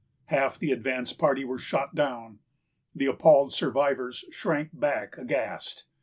Half the advanced party were shot down; the appalled survivors shrank back aghast.